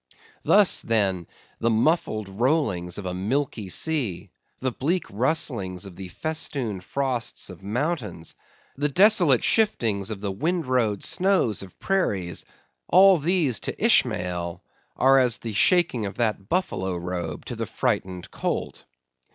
Thus, then, the muffled rollings of a milky sea; the bleak rustlings of the festooned frosts of mountains; the desolate shiftings of the windrowed snows of prairies; all these, to Ishmael, are as the shaking of that buffalo robe to the frightened colt!